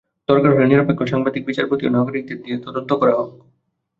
দরকার হলে নিরপেক্ষ সাংবাদিক, বিচারপতি ও নাগরিকদের দিয়ে তদন্ত করা হোক।